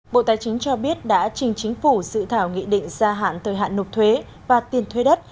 bộ tài chính cho biết đã trình chính phủ dự thảo nghị định gia hạn thời hạn nộp thuế và tiền thuê đất